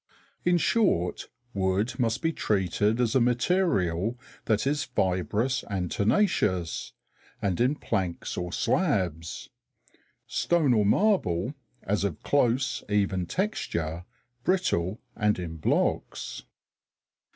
In short, wood must be treated as a material that is fibrous and tenacious, and in planks or slabs; stone or marble as of close, even texture, brittle and in blocks.